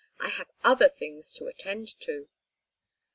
I have other things to attend to."